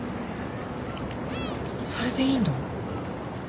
それでいいの？